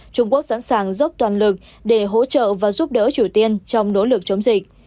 trung quốc sẵn sàng dốc toàn lực để hỗ trợ và giúp đỡ triều tiên trong nỗ lực chống dịch